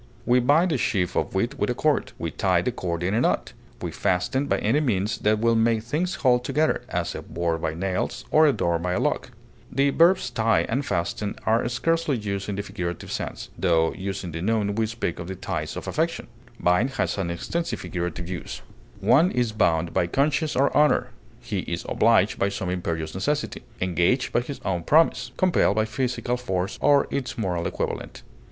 We bind a sheaf of wheat with a cord; we tie the cord in a knot; we fasten by any means that will make things hold together, as a board by nails, or a door by a lock. The verbs tie and fasten are scarcely used in the figurative sense, tho, using the noun, we speak of the ties of affection. Bind has an extensive figurative use. One is bound by conscience or honor; he is obliged by some imperious necessity; engaged by his own promise; compelled by physical force or its moral equivalent.